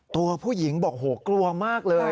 ตัวผู้หญิงบอกโหกลัวมากเลย